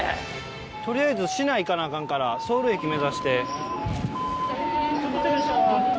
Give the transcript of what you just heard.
取りあえず市内行かなアカンからソウル駅目指して。